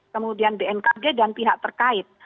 kemudian bmkg dan pihak terkait